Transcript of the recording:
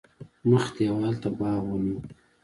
مخ دېوال ته باغ ونیو.